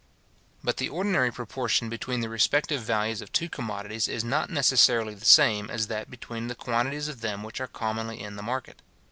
But the ordinary proportion between the respective values of two commodities is not necessarily the same as that between the quantities of them which are commonly in the market.